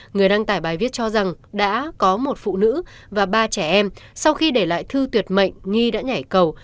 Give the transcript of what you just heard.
người đăng tải bài viết cho rằng đã có một phụ nữ và ba trẻ em sau khi để lại thư tuyệt mệnh nghi đã nhảy cầu